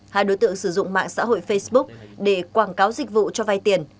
hai đối tượng sử dụng mạng xã hội facebook để quảng cáo dịch vụ cho vay tiền